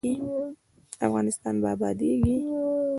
افغانستان به ابادیږي